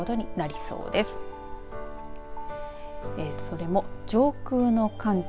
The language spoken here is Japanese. それも上空の寒気